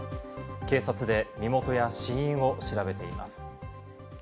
警察で身元や死因を調べています。